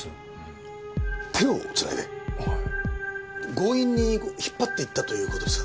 強引に引っ張っていったという事ですか？